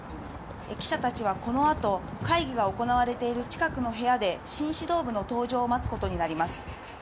記者たちはこの後会議が行われている近くの部屋で新指導部の登場を待つことになります。